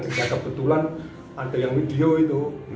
ini kebetulan ada yang video itu